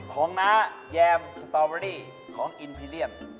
ของนะแยมตอวอรี่ของอิลพีเรียน